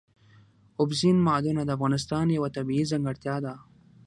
اوبزین معدنونه د افغانستان یوه طبیعي ځانګړتیا ده.